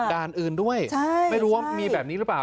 ด่านอื่นด้วยไม่รู้ว่ามีแบบนี้หรือเปล่า